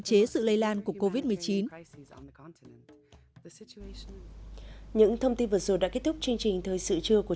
chế sự lây lan của covid một mươi chín những thông tin vừa rồi đã kết thúc chương trình thời sự trưa của